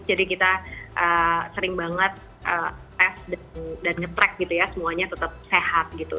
jadi kita sering banget tes dan nge track gitu ya semuanya tetap sehat gitu